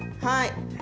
はい。